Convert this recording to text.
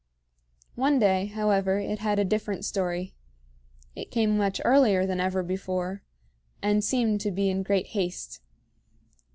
One day, however, it had a different story. It came much earlier than ever before, and seemed to be in great haste.